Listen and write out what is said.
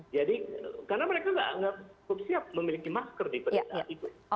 jadi karena mereka tidak siap memiliki masker di pedesaan itu